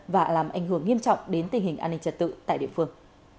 và làm ảnh hưởng nghiêm trọng đến tình hình an ninh trật tự tại địa phương